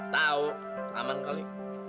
tahu aman kali